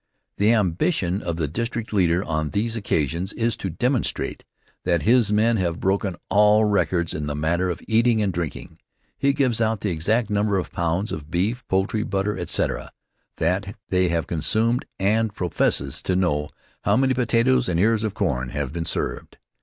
The ambition of the district leader on these occasions is to demonstrate that his men have broken all records in the matter of eating and drinking. He gives out the exact number of pounds of beef, poultry, butter, etc., that they have consumed and professes to know how many potatoes and ears of corn have been served.